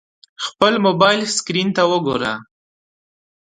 خپل د موبایل سکرین ته وګوره !